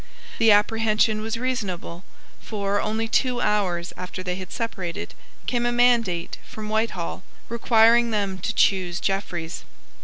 The apprehension was reasonable: for, only two hours after they had separated, came a mandate from Whitehall requiring them to choose Jeffreys.